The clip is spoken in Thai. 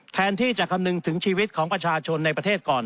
แทนที่จะคำนึงถึงชีวิตของประชาชนในประเทศก่อน